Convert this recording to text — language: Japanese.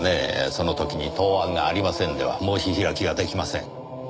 その時に答案がありませんでは申し開きが出来ません。